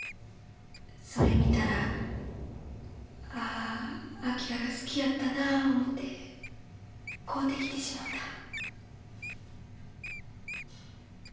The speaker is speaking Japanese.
それ見たらああ昭が好きやったなあ思て買うてきてしもた。